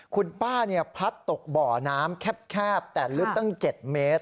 คุณป้าพัดตกบ่อน้ำแคบแต่ลึกตั้ง๗เมตร